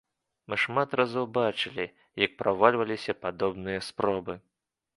Мы шмат разоў бачылі, як правальваліся падобныя спробы.